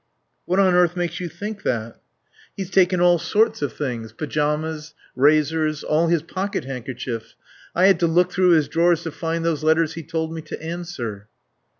"What on earth makes you think that?" "He's taken all sorts of things pyjamas, razors, all his pockethandkerchiefs... I had to look through his drawers to find those letters he told me to answer."